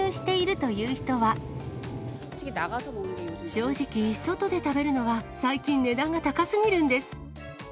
正直、外で食べるのは最近、値段が高すぎるんです。